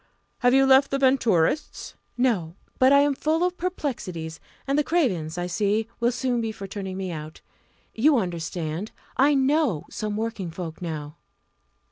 "Have you left the Venturists?" "No! but I am full of perplexities; and the Cravens, I see, will soon be for turning me out. You understand I know some working folk now!"